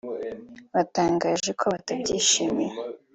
batangaje ko batabyishimiye